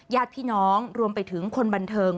ญาติพี่น้องรวมไปถึงคนบันเทิง